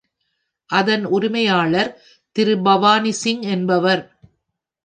அதன் உரிமையாளர், திரு பவானிசிங் என்பவர்.